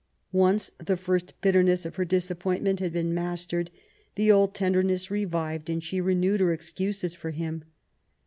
Once the first bitterness of her disappointment had been mastered^ the old tenderness revived^ and she renewed her excuses for him.